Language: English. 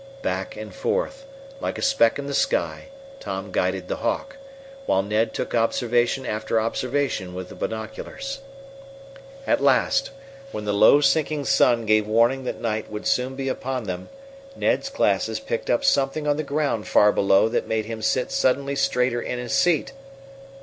Back and forth, like a speck in the sky, Tom guided the Hawk, while Ned took observation after observation with the binoculars. At last, when the low sinking sun gave warning that night would soon be upon them, Ned's glasses picked up something on the ground far below that made him sit suddenly straighter in his seat.